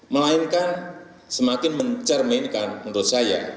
melainkan semakin mencerminkan menurut saya